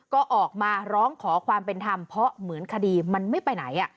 ก็ออกมาร้องขอความเป็นธรรมเพราะเหมือนคดีมันไม่ไปไหน